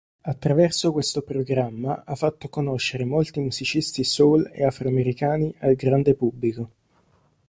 Attraverso questo programma ha fatto conoscere molti musicisti soul e afroamericani al grande pubblico.